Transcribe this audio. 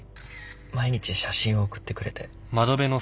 毎日写真を送ってくれて。